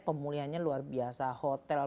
pemulihan nya luar biasa hotel